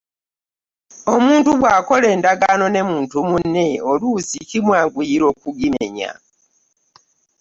Omuntu bw’akola endagaano ne muntu munne oluusi kimwanguyira okugimenya